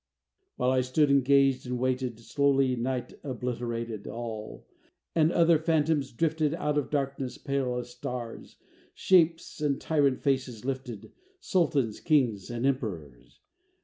While I stood and gazed and waited, Slowly night obliterated All; and other phantoms drifted Out of darkness pale as stars; Shapes that tyrant faces lifted, Sultans, kings, and emperors.